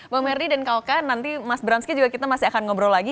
bang merdi dan kak oka nanti mas branski juga kita masih akan ngobrol lagi